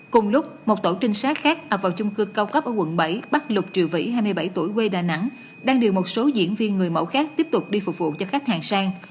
cùng lúc một tổ trinh sát khác ập vào chung cư cao cấp ở quận bảy bắc lục triều vĩ hai mươi bảy tuổi quê đà nẵng đang điều một số diễn viên người mẫu khác tiếp tục đi phục vụ cho khách hàng sang